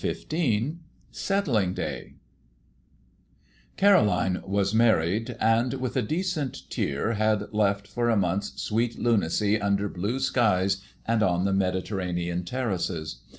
XV SETTLING DAY Caroline was married, and with a decent tear had left for a month's sweet lunacy under blue skies and on Mediterranean terraces.